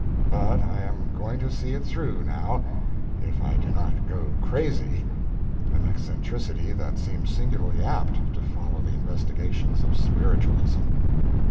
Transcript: But I am going to see it through, now, if I do not go crazy—an eccentricity that seems singularly apt to follow investigations of spiritualism.